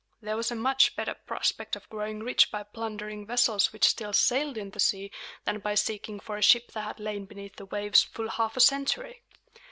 There was a much better prospect of growing rich by plundering vessels which still sailed in the sea than by seeking for a ship that had lain beneath the waves full half a century.